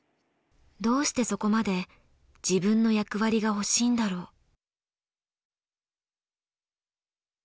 どうしてそこまで自分の役割が欲しいんだろう。